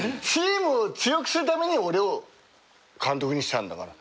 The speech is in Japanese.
チームを強くするために俺を監督にしたんだから。